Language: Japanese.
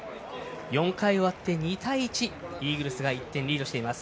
４回終わって、２対１イーグルスが１点リードしています。